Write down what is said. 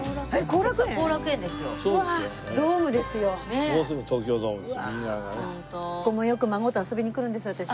ここもよく孫と遊びに来るんです私。